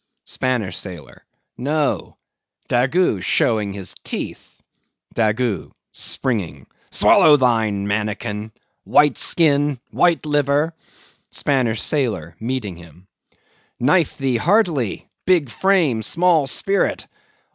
SPANISH SAILOR. No; Daggoo showing his teeth. DAGGOO (springing). Swallow thine, mannikin! White skin, white liver! SPANISH SAILOR (meeting him). Knife thee heartily! big frame, small spirit!